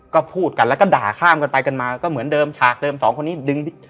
ก็พูดกันแล้วก็ด่าข้ามกันไปกันมาก็เหมือนเดิมฉากเดิมสองคนนี้ดึง